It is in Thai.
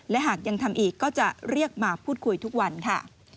และหากยังทำอีกก็จะเรียกมาพูดคุยทุกวันค่ะ